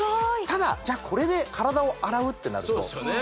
ただこれで体を洗うってなるとそうですよね